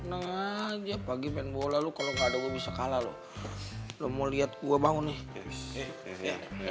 tenang aja pagi main bola lu kalau nggak ada gue bisa kalah loh lo mau lihat gua bangun nih